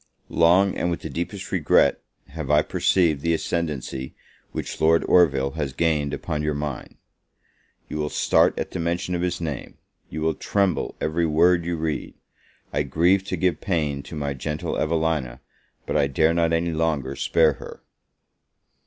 Long, and with the deepest regret, have I perceived the ascendancy which Lord Orville has gained upon your mind. You will start at the mention of his name, you will tremble every word you read; I grieve to give pain to my gentle Evelina, but I dare not any longer spare her.